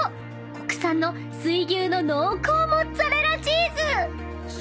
［国産の水牛の濃厚モッツァレラチーズ］